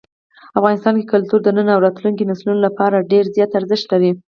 افغانستان کې کلتور د نن او راتلونکي نسلونو لپاره ډېر زیات ارزښت لري.